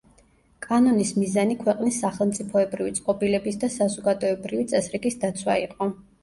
კანონის მიზანი ქვეყნის სახელმწიფოებრივი წყობილების და საზოგადოებრივი წესრიგის დაცვა იყო.